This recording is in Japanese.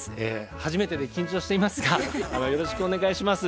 初めてで緊張していますがよろしくお願いします。